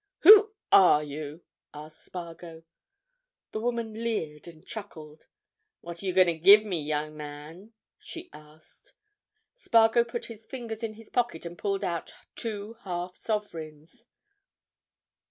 "Who are you?" asked Spargo. The woman leered and chuckled. "What are you going to give me, young man?" she asked. Spargo put his fingers in his pocket and pulled out two half sovereigns.